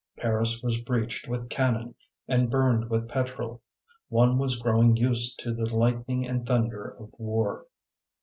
Paris was breached with cannon and burned with petrol. One was growing used to the lightning and thunder of war.